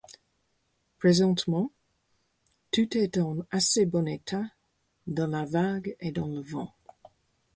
Présentement, tout est en assez bon état dans la vague et dans le vent.